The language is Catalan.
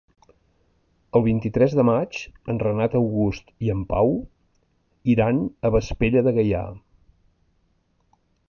El vint-i-tres de maig en Renat August i en Pau iran a Vespella de Gaià.